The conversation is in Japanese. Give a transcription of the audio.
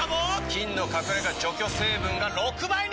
菌の隠れ家除去成分が６倍に！